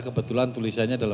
kebetulan tulisannya adalah